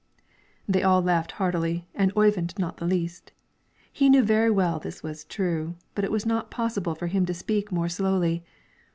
They all laughed heartily, and Oyvind not the least. He knew very well this was true, but it was not possible for him to speak more slowly.